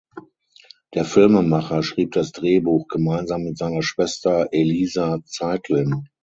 Der Filmemacher schrieb das Drehbuch gemeinsam mit seiner Schwester Eliza Zeitlin.